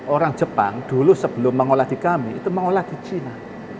orang jepang dulu sebelum mengolahi kami itu mengolahi cina